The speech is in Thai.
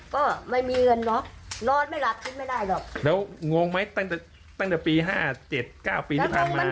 ก็ไม่มีเงินเนอะนอนไม่หลับคิดไม่ได้หรอกแล้วงงไหมตั้งแต่ตั้งแต่ปีห้าเจ็ดเก้าปีที่ผ่านมา